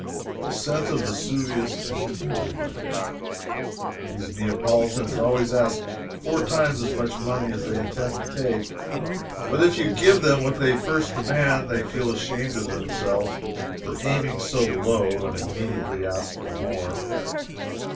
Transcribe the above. ASCENT OF VESUVIUS CONTINUED. These Neapolitans always ask four times as much money as they intend to take, but if you give them what they first demand, they feel ashamed of themselves for aiming so low, and immediately ask more.